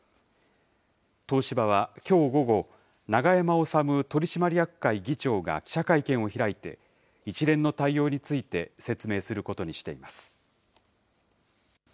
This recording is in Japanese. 東芝はきょう午後、永山治取締役会議長が記者会見を開いて、一連の対応について説明することにしています。